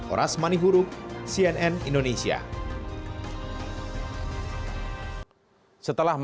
oras mani huru cnn indonesia